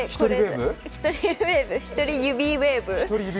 １人指ウエーブ。